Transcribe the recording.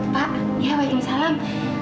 pak ya baik baik salam